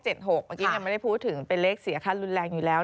เมื่อกี้ไม่ได้พูดถึงเป็นเลขเสียค่ารุนแรงอยู่แล้ว